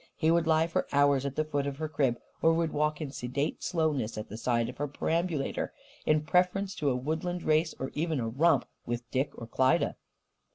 He would lie for hours at the foot of her crib, or would walk in sedate slowness at the side of her perambulator, in preference to a woodland race or even a romp with Dick or Klyda.